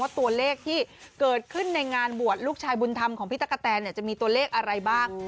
ตัวเลขที่เกิดขึ้นในงานบวชลูกชายบุญธรรมของพี่ตั๊กกะแตนจะมีตัวเลขอะไรบ้าง